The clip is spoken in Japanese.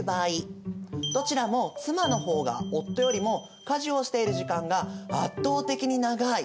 どちらも妻の方が夫よりも家事をしている時間が圧倒的に長い！